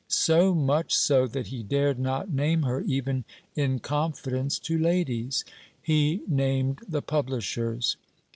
So much so that he dared not name her even in confidence to ladies; he named the publishers.